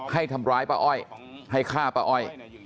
ให้ทำร้ายป้าอ้อยให้ฆ่าป้าอ้อย